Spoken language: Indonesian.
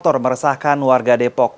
pembelajaran motor meresahkan warga depok